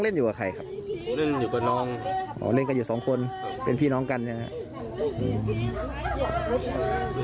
อ๋อเล่นอยู่กับสองคนเป็นพี่น้องกันจริงหรือครับ